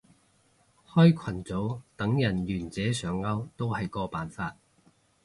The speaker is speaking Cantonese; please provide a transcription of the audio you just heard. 開群組等人願者上釣都係個方法